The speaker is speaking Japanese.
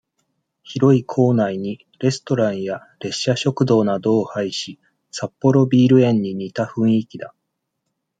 広い構内に、レストランや、列車食堂などを配し、札幌ビール園に似た雰囲気だ。